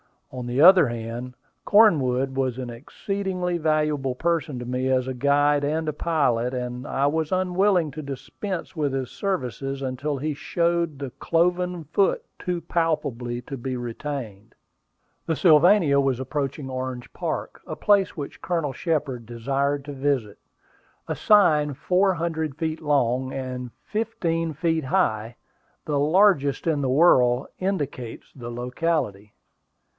On the other hand, Cornwood was an exceedingly valuable person to me as guide and pilot, and I was unwilling to dispense with his services until he showed the cloven foot too palpably to be retained. The Sylvania was approaching Orange Park, a place which Colonel Shepard desired to visit. A sign four hundred feet long, and fifteen feet high, the largest in the world, indicates the locality.